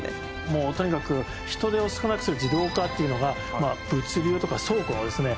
もうとにかく人手を少なくする自動化というのが物流とか倉庫のですね